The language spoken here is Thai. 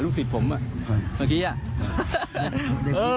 ลูกสิทธิ์ผมเมื่อกี้